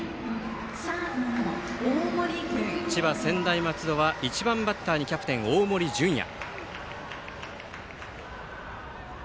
千葉・専大松戸は１番バッターにキャプテン、大森准弥。